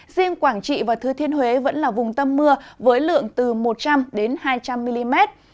riêng quảng trị và thư thiên huế vẫn là vùng tâm mưa với lượng từ một trăm linh hai trăm linh mm